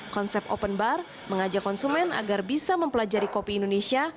konsep open bar mengajak konsumen agar bisa mempelajari kopi indonesia